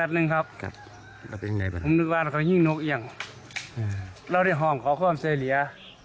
เราไปห้องของขอความเศรียะ